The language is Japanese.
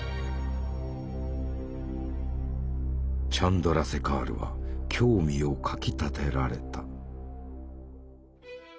チャンドラセカールは興味をかきたてられた。